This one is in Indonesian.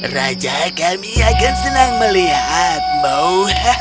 raja kami akan senang melihatmu